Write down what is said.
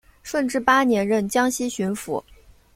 顺治八年任江西巡抚。